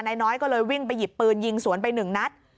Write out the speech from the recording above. นายน้อยก็เลยวิ่งไปหยิบปืนยิงสวนไปหนึ่งนัด